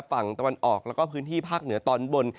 ฝั่งตะวันออกแล้วก็พื้นที่ภาคเหนือตอนบน